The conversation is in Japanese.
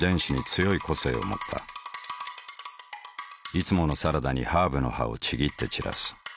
いつものサラダにハーブの葉をちぎって散らす。